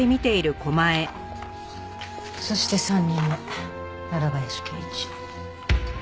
そして３人目林圭一。